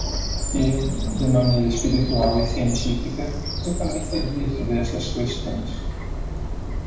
Que, de maneira espiritual e científica, eu também sabia sobre essas questões.